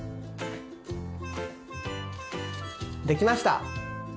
できました。